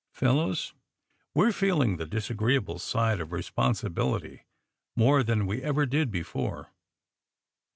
'* Fel lows, we're feeling the disagreeable side of re sponsibility more than we ever did before."